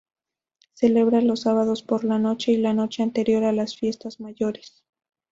Celebrada los sábados por la noche y la noche anterior a las fiestas mayores.